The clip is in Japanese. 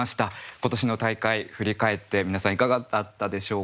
今年の大会振り返って皆さんいかがだったでしょうか？